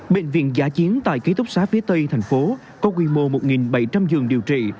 bệnh viện giả chiến tại ký túc xá phía tây thành phố có quy mô một bảy trăm linh giường điều trị